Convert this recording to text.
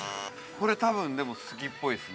これ多分でも好きっぽいですね。